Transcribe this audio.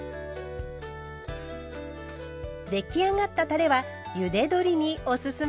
出来上がったたれはゆで鶏におすすめ。